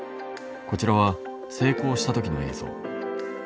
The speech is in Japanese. こちらは成功した時の映像。